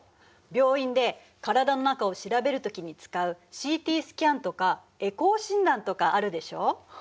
病院で体の中を調べるときに使うＣＴスキャンとかエコー診断とかあるでしょ。